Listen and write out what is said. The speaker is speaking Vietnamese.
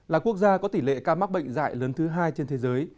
là quốc gia có tỷ lệ ca mắc bệnh dạy lớn thứ hai trên thế giới